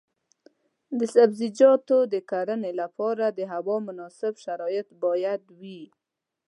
د سبزیجاتو د کرنې لپاره د هوا مناسب شرایط باید وي.